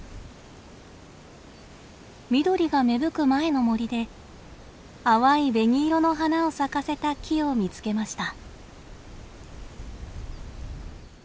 緑が芽吹く前の森で淡い紅色の花を咲かせた木を見つけました。